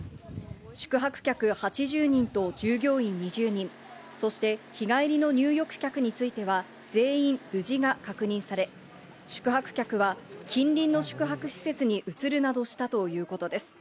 宿泊客８０人と従業員２０人、そして日帰りの入浴客については、全員無事が確認され、宿泊客は近隣の宿泊施設に移るなどしたということです。